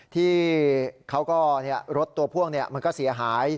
ที่เขาก็เนี่ยรถตัวพ่วงเนี่ยมันก็เสียหาย